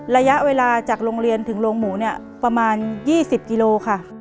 ระยะเวลาจากโรงเรียนถึงโรงหมูเนี่ยประมาณ๒๐กิโลค่ะ